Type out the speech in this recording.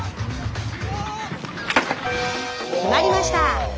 決まりました！